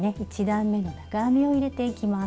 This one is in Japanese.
１段めの長編みを入れていきます。